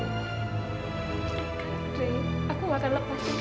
daryl aku enggak akan lepaskan tangan aku